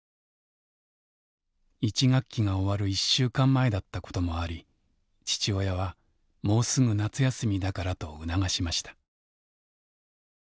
１学期が終わる１週間前だったこともあり父親はもうすぐ夏休みだからと促しました。